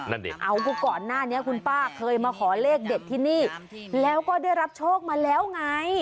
เอาก็ก่อนหน้านี้คุณป้าเคยมาขอเลขเด็ดที่นี่แล้วก็ได้รับโชคมาแล้วไง